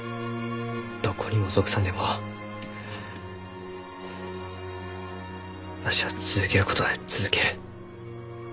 どこにも属さんでもわしは続けることは続ける。